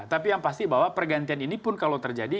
tapi yang pasti bahwa pergantian ini pun kalau terjadi